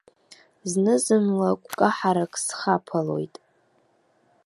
Зны-зынла гәкаҳарак схаԥалоит.